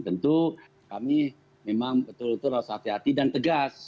tentu kami memang betul betul harus hati hati dan tegas